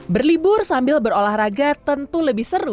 berlibur sambil berolahraga tentu lebih seru